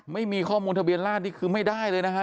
ไม่มีข้อมูลทะเบียนราชนี่คือไม่ได้เลยนะฮะ